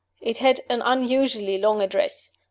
It had an unusually long address.